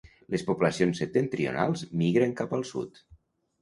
Les poblacions septentrionals migren cap al sud.